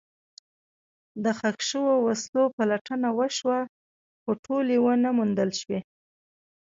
د ښخ شوو وسلو پلټنه وشوه، خو ټولې ونه موندل شوې.